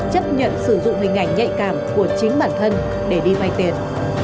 chấp nhận sử dụng hình ảnh nhạy cảm của chính bản thân để đi vay tiền